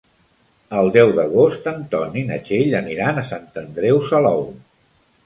El deu d'agost en Ton i na Txell aniran a Sant Andreu Salou.